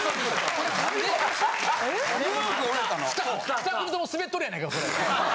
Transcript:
２組ともスベっとるやないかそれ。